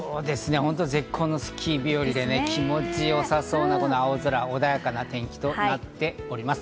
絶好のスキー日和で気持ち良さそうな青空、穏やかな天気となっております。